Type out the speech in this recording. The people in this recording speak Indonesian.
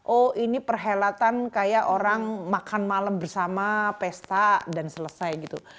oh ini perhelatan kayak orang makan malam bersama pesta dan selesai gitu